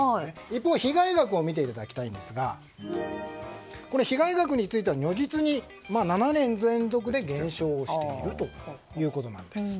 一方、被害額を見ていただきたいんですが被害額については如実に、７年連続で減少をしているということなんです。